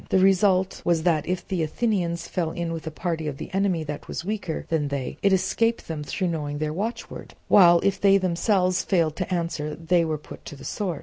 The result was that if the Athenians fell in with a party of the enemy that was weaker than they, it escaped them through knowing their watchword; while if they themselves failed to answer they were put to the sword.